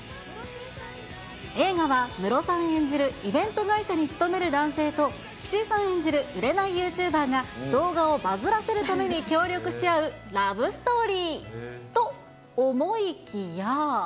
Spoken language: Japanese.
映画はムロさん演じるイベント会社に勤める男性と、岸井さん演じる売れないユーチューバーが、動画をバズらせるために協力し合うラブストーリー。と思いきや。